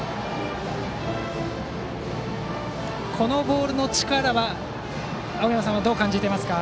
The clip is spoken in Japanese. このボールの力は青山さんはどう感じていますか。